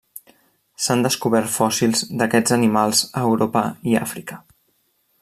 S'han descobert fòssils d'aquests animals a Europa i Àfrica.